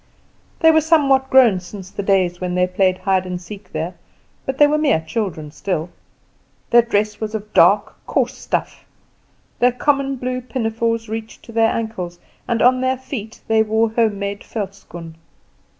They were somewhat grown since the days when they played hide and seek there, but they were mere children still. Their dress was of dark, coarse stuff; their common blue pinafores reached to their ankles, and on their feet they wore home made velschoen.